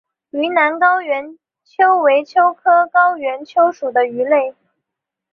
云南高原鳅为鳅科高原鳅属的鱼类。